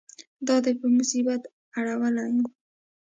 دا دې په مصیبت اړولی یم.